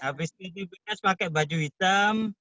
habis itu pilihnya pakai baju hitam